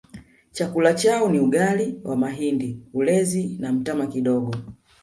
Chakula chao ni ugali wa mahindi ulezi na mtama kidogo